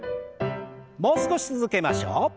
もう少し続けましょう。